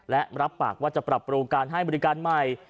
และรับปากว่าจะปรับปรุงการให้บริการใหม่